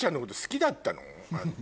あんた。